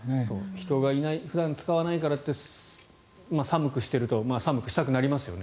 人がいない普段使わないからって寒くしていると寒くしたくなりますよね。